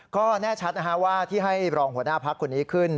ก็แน่ชัดว่าที่ให้รองหัวหน้าพักคนนี้ขึ้น